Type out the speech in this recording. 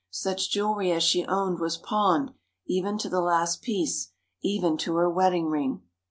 Such jewelry as she owned was pawned, even to the last piece—even to her wedding ring.